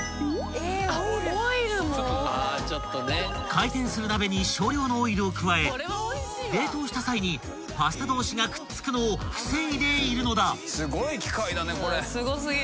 ［回転する鍋に少量のオイルを加え冷凍した際にパスタ同士がくっつくのを防いでいるのだ］